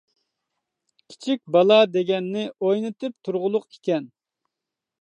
كىچىك بالا دېگەننى ئوينىتىپ تۇرغۇلۇق ئىكەن.